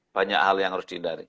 banyak hal yang harus dihindari